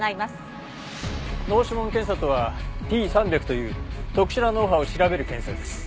脳指紋検査とはＰ３００という特殊な脳波を調べる検査です。